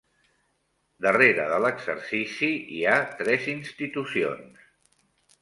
Darrere de l'exercici hi ha tres institucions.